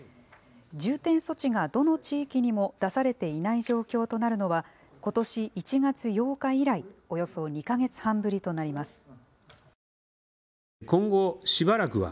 重点措置が、どの地域にも出されていない状況となるのはことし１月８日以来およそ２か月半ぶりとなります。